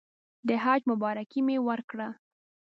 د حج مبارکي مې ورکړه.